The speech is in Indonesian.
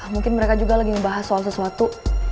mungkin mereka juga lagi membahas soal sesuatu